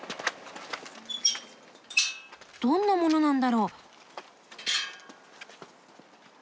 どんなものなんだろう？